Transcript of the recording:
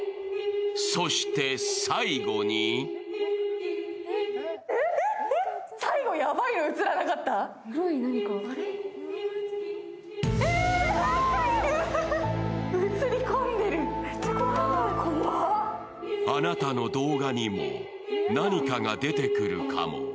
そして、最後にあなたの動画にも何かが出てくるかも。